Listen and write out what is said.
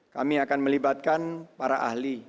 kami akan melibatkan para ahli